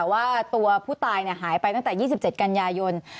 ว่าตัวผู้ตายหายไปตั้งแต่๒๗กันยายน